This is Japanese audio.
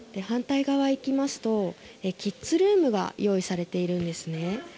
反対側へ行きますとキッズルームが用意されているんですね。